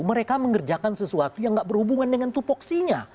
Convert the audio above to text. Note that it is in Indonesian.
mereka mengerjakan sesuatu yang gak berhubungan dengan tupoksinya